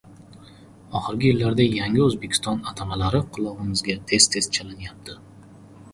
Oxirgi yillarda Yangi O'zbekiston atamalari qulog'imizga tez-tez chalinyapti.